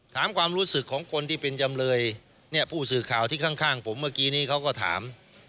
ความรู้สึกของคนที่เป็นจำเลยเนี่ยผู้สื่อข่าวที่ข้างผมเมื่อกี้นี้เขาก็ถาม